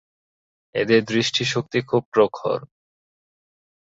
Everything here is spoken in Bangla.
এদের দৃষ্টিশক্তি খুব প্রখর।